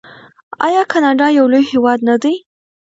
آیا کاناډا یو لوی هیواد نه دی؟